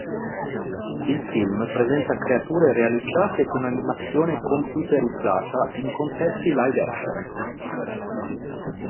Il film presenta creature realizzate con animazione computerizzata in contesti live-action.